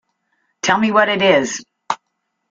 Tell me what it is.